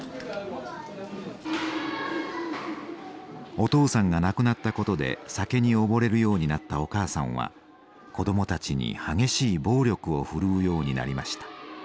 お父さんが亡くなったことで酒に溺れるようになったお母さんは子どもたちに激しい暴力を振るうようになりました。